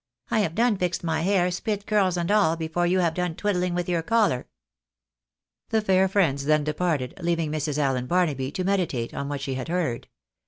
I have done fixed my hair, spit curls and all, before you have done twiddhng with your collar." The fair friends then departed, leaving Mrs. Allen Barnaby to meditate on what she had heard.